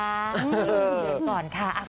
เย็นก่อนค่ะ